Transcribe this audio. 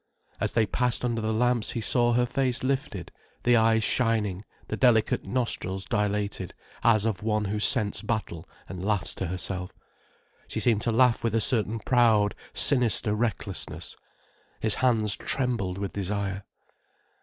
As they passed under the lamps he saw her face lifted, the eyes shining, the delicate nostrils dilated, as of one who scents battle and laughs to herself. She seemed to laugh with a certain proud, sinister recklessness. His hands trembled with desire.